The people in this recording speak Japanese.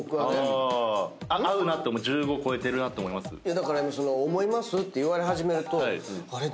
だから「思います？」って言われ始めるとあれっ？